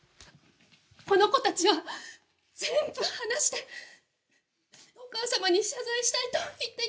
この子たちは全部話してお母様に謝罪したいと言っていたんです！